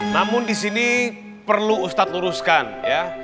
namun disini perlu ustad luruskan ya